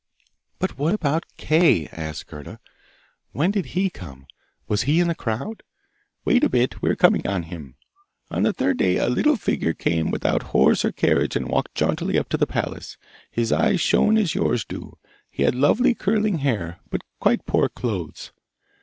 'But what about Kay?' asked Gerda. 'When did he come? Was he in the crowd?' 'Wait a bit; we are coming to him! On the third day a little figure came without horse or carriage and walked jauntily up to the palace. His eyes shone as yours do; he had lovely curling hair, but quite poor clothes.